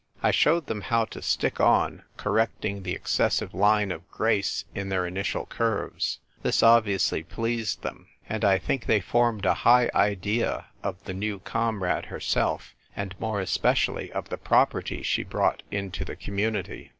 I showed them how to stick on, correcting the excessive line of grace in their initial curves : this obviously pleased them, and I think they formed a high idea of the new comrade her self and more especially of the property she brought into the Community.